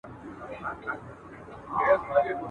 نارينه ور زده کړي دي